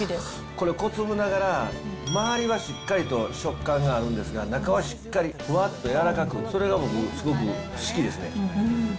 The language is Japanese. これ小粒ながら、周りはしっかりと食感があるんですが、中はしっかり、ふわっとやわらかく、それが僕、すごく好きですね。